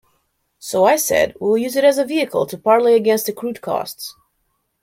So I said, "We'll use it as a vehicle to parlay against accrued costs"...